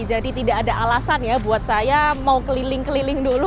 jadi tidak ada alasan ya buat saya mau keliling keliling dulu